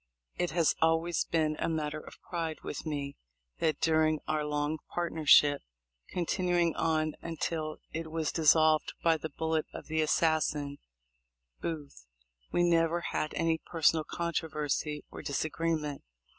It has always been a matter of pride with me that during our long partnership, continuing on until it was dissolved by the bullet of the assassin Booth, we never had any personal controversy or disagree ment.